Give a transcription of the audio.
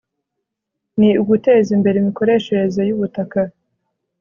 ni uguteza imbere imikoreshereze y'ubutaka